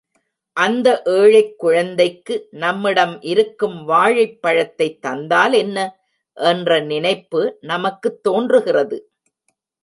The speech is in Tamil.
அந்த ஏழைக் குழந்தைக்கு நம்மிடம் இருக்கும் வாழைப் பழத்தைத் தந்தால் என்ன? என்ற நினைப்பு நமக்குத் தோன்றுகிறது.